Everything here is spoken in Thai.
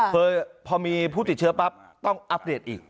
เคยพอมีผู้ติดเชื้อปั๊บต้องอัปเดตอีก